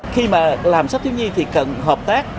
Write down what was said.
khi mà làm sách thiếu nhi thì cần hợp tác